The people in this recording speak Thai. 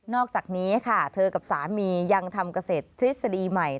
อกจากนี้ค่ะเธอกับสามียังทำเกษตรทฤษฎีใหม่